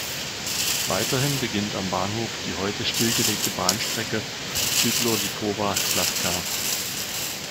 Weiterhin beginnt am Bahnhof die heute stillgelegte Bahnstrecke Szydłów–Lipowa Śląska.